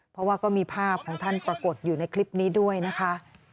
เพราะว่าก็มีภาพของท่านปรากฏอยู่ในคลิปนี้ด้วยนะคะ